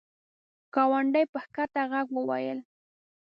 ګاونډي په کښته ږغ وویل !